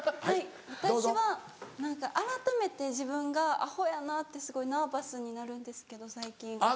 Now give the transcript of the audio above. はい私は何かあらためて自分がアホやなぁってすごいナーバスになるんですけど最近。